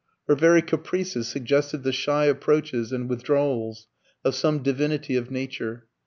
Her very caprices suggested the shy approaches and withdrawals of some divinity of nature.